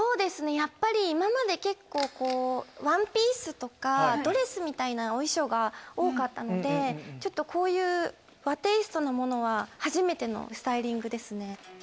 やっぱり今まで結構ワンピースとかドレスみたいなお衣装が多かったのでちょっとこういう和テイストのものは初めてのスタイリングですね。